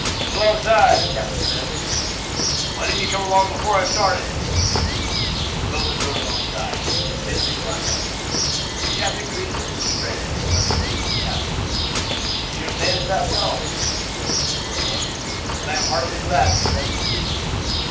"Come alongside," the captain said. "Why didn't he come on board before I started?" The boat was rowed alongside, and Vincent climbed on board. The captain greeted him as a stranger and led the way to his cabin. "You have managed that well," he said when they were alone, "and I am heartily glad that you have succeeded.